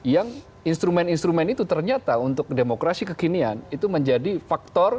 yang instrumen instrumen itu ternyata untuk demokrasi kekinian itu menjadi faktor